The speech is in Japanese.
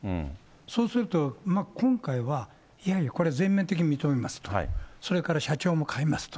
そうすると、今回はやはりこれ、全面的に認めますと、それから社長も代えますと。